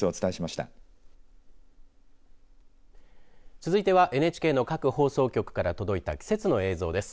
続いてはＮＨＫの各放送局から届いた季節の映像です。